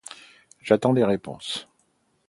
J’attends des réponses.